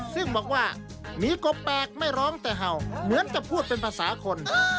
ซึ่งบอกว่ามีกบแปลกไม่ร้องแต่เห่าเหมือนกับพูดเป็นภาษาคน